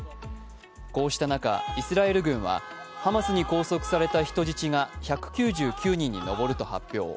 こうした中、イスラエル軍はハマスに拘束された人質が１９９人にのぼると発表。